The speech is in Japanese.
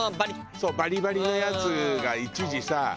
そうバリバリのやつが一時さ